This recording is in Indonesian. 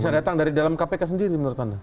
bisa datang dari dalam kpk sendiri